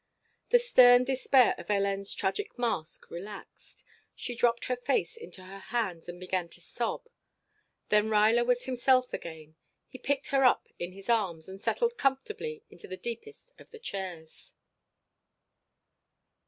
The stern despair of Hélène's tragic mask relaxed. She dropped her face into her hands and began to sob. Then Ruyler was himself again. He picked her up in his arms and settled comfortably into the deepest of the chairs.